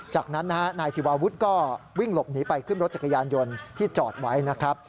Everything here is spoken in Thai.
จากนั้นนะฮะนายศิวาวุฒิก็วิ่งหลบหนีไปขึ้นรถจักรยานยนต์ที่จอดไว้นะครับ